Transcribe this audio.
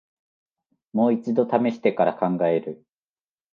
もう一度ためしてから考える